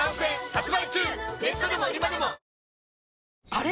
あれ？